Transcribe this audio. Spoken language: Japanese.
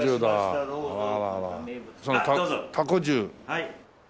はい。